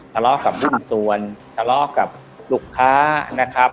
ทะเลาะกับหุ้นส่วนทะเลาะกับลูกค้านะครับ